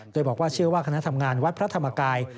โดยบอกว่าเชื่อว่าคณะทำงานวัดพระธรรมกาย